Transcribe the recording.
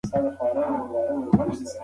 فیصل له خپلې خور څخه ډېر په غوسه و.